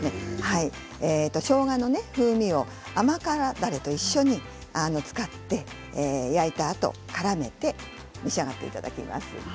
しょうがの風味を甘辛だれと一緒に使って焼いたあと、からめて召し上がっていただきます。